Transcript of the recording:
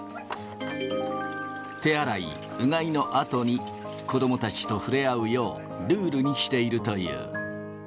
手洗い、うがいのあとに、子どもたちと触れ合うよう、ルールにしているという。